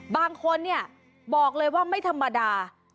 บางคนเนี่ยบอกเลยว่าไม่ธรรมดา